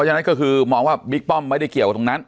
เพราะฉะนั้นคือมองว่ามิล์กปอมไม่ได้เกี่ยวกับตรงนั้น